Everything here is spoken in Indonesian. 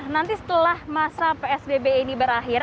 nanti setelah masa psbb ini berakhir